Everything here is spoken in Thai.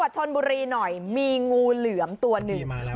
ชนบุรีหน่อยมีงูเหลือมตัวหนึ่ง